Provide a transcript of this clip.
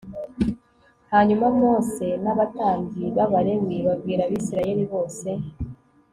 hanyuma mose n abatambyi b abalewi babwira abisirayeli bose